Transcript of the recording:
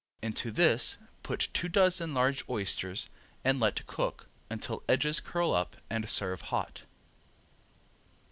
Into this put two dozen large oysters and let cook until edges curl up and serve hot.